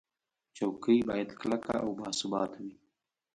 چوکۍ باید کلکه او باثباته وي.